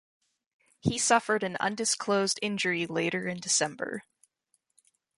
He suffered an undisclosed injury later in December.